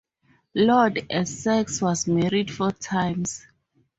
Lord Essex was married four times.